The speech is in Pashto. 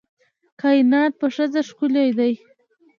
کائنات په ښځه ښکلي دي